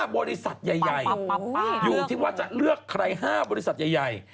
บริษัทใหญ่อยู่ที่ว่าจะเลือกใคร๕บริษัทใหญ่